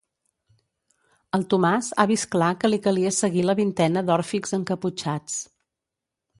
El Tomàs ha vist clar que li calia seguir la vintena d'òrfics encaputxats.